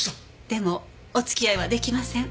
でもお付き合いは出来ません。